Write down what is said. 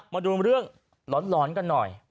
มาดูเรื่องหลอนกันหน่อย